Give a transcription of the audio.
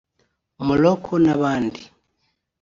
Moroc n’abandi